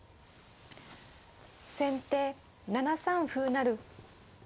先手７三歩成。